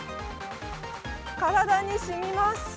体にしみます。